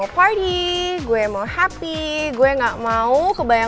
silakan mas makasih ya